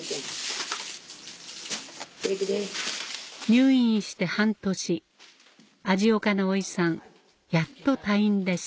入院して半年味岡のおいさんやっと退院です